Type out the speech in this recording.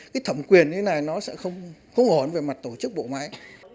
cái thầm quyền như thế này nó sẽ không hồn về mặt tổ chức bộ máy